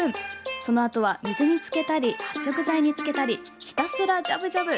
そのあとは水につけたり発色剤につけたりひたすらジャブジャブ！